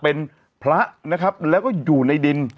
เป็นพระนะครับแล้วก็อยู่ในดิน